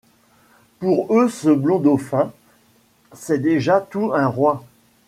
Pour eux ce blond dauphin, c'est déjà tout un roi ;